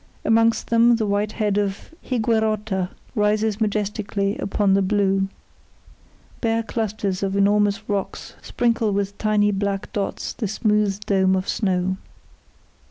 Amongst them the white head of Higuerota rises majestically upon the blue. Bare clusters of enormous rocks sprinkle with tiny black dots the smooth dome of snow.